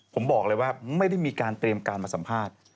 ผมบอกเลยว่าไม่ได้มีการเตรียมการมาสัมภาษณ์